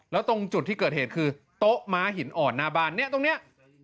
แล้วตรงจุดที่เกิดเหตุคือโต๊ะม้าหินอ่อนหน้าบ้านเนี่ยตรงนี้